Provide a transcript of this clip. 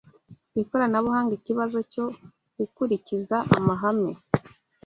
ikoranabuhanga ikibazo cyo gukurikiza amahame